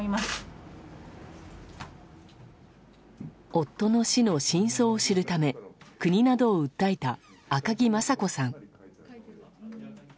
夫の死の真相を知るため国などを訴えた赤木雅子さん。